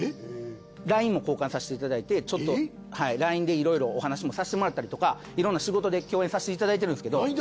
ＬＩＮＥも交換させていただいてちょっとＬＩＮＥでいろいろお話もさせてもらったりとかいろんな仕事で共演させていただいてるんですけど。